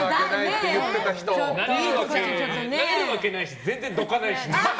なれるわけないし全然どかないし。